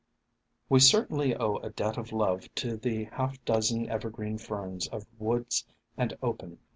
We certainly owe a debt of love to the half dozen Evergreen Ferns of woods and open.